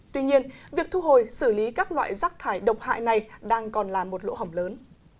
tuy nhiên việc thu hồi xử lý các loại rác thải độc hại này đang còn là một lỗ hỏng lớn